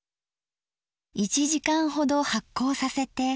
１時間ほど発酵させて。